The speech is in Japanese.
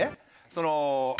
その。